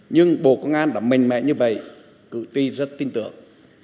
nhưng bộ công an đã mềm mẽ như vậy cử ti rất tin tưởng